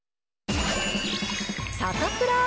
サタプラ。